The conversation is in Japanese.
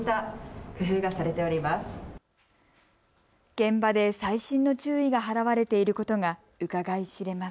現場で細心の注意が払われていることがうかがい知れます。